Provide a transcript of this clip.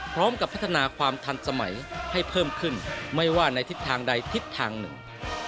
พัฒนาความทันสมัยให้เพิ่มขึ้นไม่ว่าในทิศทางใดทิศทางหนึ่ง